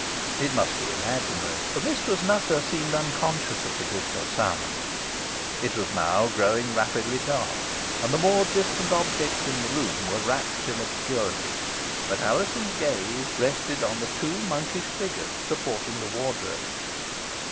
It must be imaginary, for Mistress Nutter seemed unconscious of the dismal sound. It was now growing rapidly dark, and the more distant objects in the room were wrapped in obscurity; but Alizon's gaze rested on the two monkish figures supporting the wardrobe.